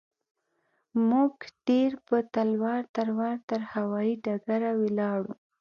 موږ ډېر په تلوار تلوار تر هوايي ډګره ولاړو.